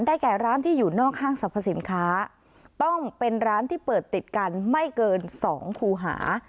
แก่ร้านที่อยู่นอกห้างสรรพสินค้าต้องเป็นร้านที่เปิดติดกันไม่เกินสองคูหา